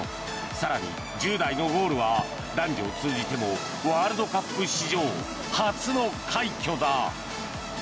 更に、１０代のゴールは男女通じてもワールドカップ史上初の快挙だ。